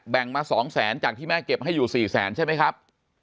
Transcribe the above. มา๒แสนจากที่แม่เก็บให้อยู่๔แสนใช่ไหมครับ